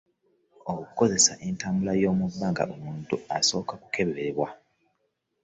Okukozesa entambula y'omubbanga omuntu asooka kukeberebwa.